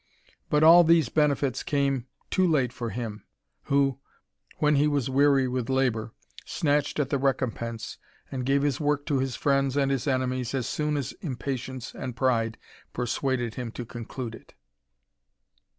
But all Be benefits came too late for hina, who, when he was iry with labour, snatched at the lecompense, and gave worlt to his friends and his enemies as soon as impatience 1 pride persuaded him to conclude it.